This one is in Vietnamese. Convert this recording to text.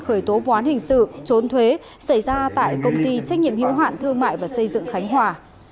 khởi tố ván hình sự trốn thuế xảy ra tại công ty trách nhiệm hiểu hoạn thương mại và xây dựng khánh hòa